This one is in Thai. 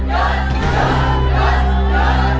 หยุด